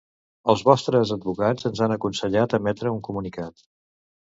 Els vostres advocats ens han aconsellat emetre un comunicat.